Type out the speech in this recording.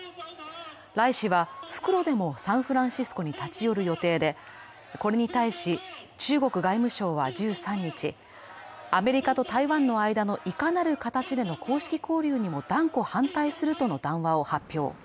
頼氏は復路でもサンフランシスコに立ち寄る予定で、これに対し中国外務省は１３日、アメリカと台湾の間のいかなる形での公式交流にも断固反対するとの談話を発表。